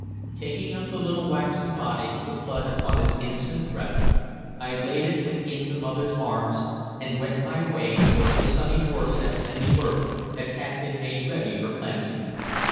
Taking up the little waxen body with the blood upon its innocent breast, I laid it within the mother's arms, and went my way over the sunny doorstep and the earth that had been made ready for planting.